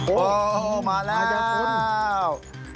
โอ้โฮมาแล้ว